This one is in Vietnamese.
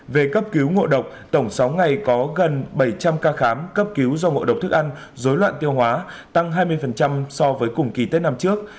về cấp cứu ngộ độc tổng sáu ngày có gần bảy trăm linh ca khám cấp cứu do ngộ độc thức ăn dối loạn tiêu hóa tăng hai mươi so với cùng kỳ tết năm trước